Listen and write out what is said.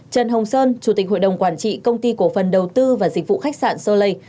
trần hồng sơn chủ tịch hội đồng quản trị công ty cổ phần đầu tư và dịch vụ khách sạn solei